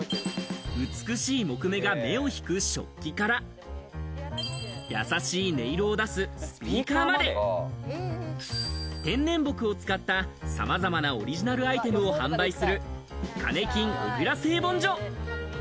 美しい木目が目を引く食器から、優しい音色を出すスピーカーまで、天然木を使ったさまざまなオリジナルアイテムを販売するカネキン小椋製盆所。